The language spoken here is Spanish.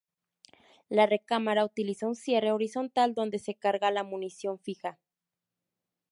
La recámara utiliza un cierre horizontal donde se carga la munición fija.